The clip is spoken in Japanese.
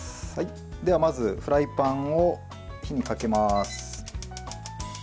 まず、フライパンを火にかけます。